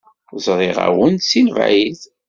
Zṛiɣ-awen-d seg lebɛid.